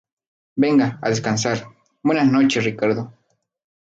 venga, a descansar. buenas noches, Ricardo.